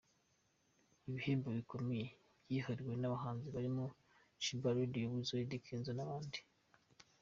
Ibihembo bikomeye byihariwe n’abahanzi barimo Sheebah, Radio & Weasel, Eddy Kenzo n’abandi.